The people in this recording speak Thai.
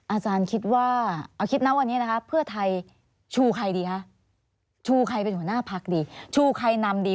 อาจารย์คิดว่าเพื่อไทยชูใครดีคะชูใครเป็นหัวหน้าพักดีชูใครนำดี